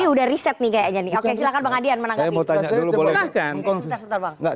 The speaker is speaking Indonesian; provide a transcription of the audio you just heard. oke silahkan bang adian menanggapi